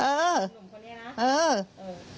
เออเออเออคนนี้นะ